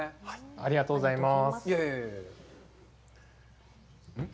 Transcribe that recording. ありがとうございます。